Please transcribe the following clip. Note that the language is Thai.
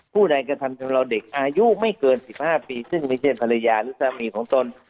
ผู้ใดกระทำชำราวเด็กอายุไม่เกิน๑๕ปีซึ่งไม่ใช่ภรรยาหรือสามีของตน